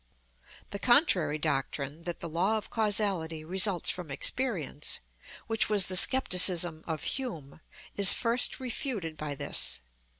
The contrary doctrine that the law of causality results from experience, which was the scepticism of Hume, is first refuted by this.